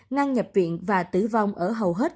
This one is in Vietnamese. ngăn nhập viện và tử vong ở hầu hết